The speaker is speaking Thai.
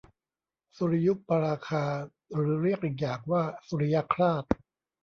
สุริยุปราคา หรือเรียกอีกอย่างว่าสุริยคราส